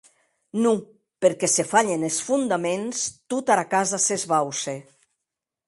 Non, perque se falhen es fondaments, tota era casa s'esbauce.